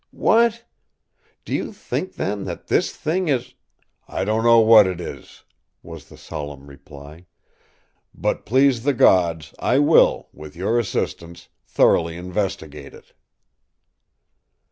” “What? Do you think, then, that this thing is——” “I don’t know what it is,” was the solemn reply; “but please the gods I will, with your assistance, thoroughly investigate it.